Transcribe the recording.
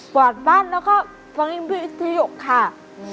ปวดบ้านแล้วก็ฟังอินทรียกค่ะ